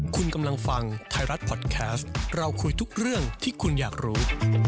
คุณกำลังฟังไทยรัฐพอดแคสต์เราคุยทุกเรื่องที่คุณอยากรู้